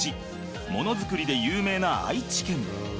ものづくりで有名な愛知県。